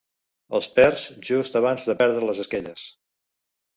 Els perds just abans de perdre les esquelles.